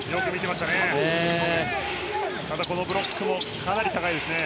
またブロックもかなり高いですね。